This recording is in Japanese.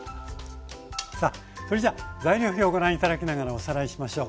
さあそれじゃあ材料表をご覧頂きながらおさらいしましょう。